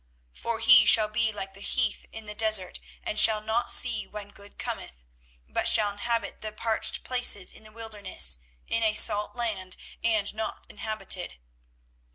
24:017:006 For he shall be like the heath in the desert, and shall not see when good cometh; but shall inhabit the parched places in the wilderness, in a salt land and not inhabited.